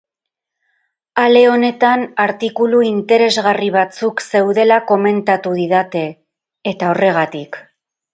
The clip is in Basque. Ale honetan artikulu interesgarri batzuk zeudela komentatu didate, eta horregatik.